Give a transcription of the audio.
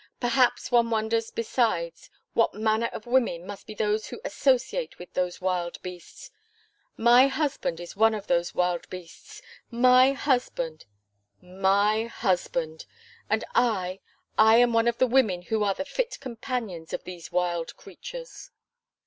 Perhaps one wonders, besides, what manner of women must be those who associate with those wild beasts. My husband is one of those wild beasts! my husband! my husband! and I I am one of the women who are the fit companions of these wild creatures."